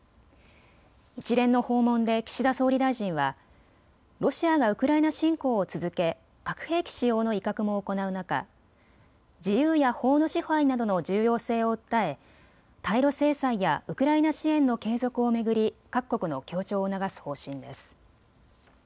一連の訪問で岸田総理大臣はロシアがウクライナ侵攻を続け核兵器使用の威嚇も行う中、自由や法の支配などの重要性を訴え、対ロ制裁やウクライナ支援の継続を巡り各国の協調を促す方針です。